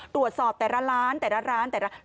ตรวจสอบแต่ละร้านแต่ละร้านแต่ละร้าน